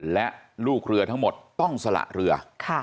และลูกเรือทั้งหมดต้องสละเรือ